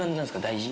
大事？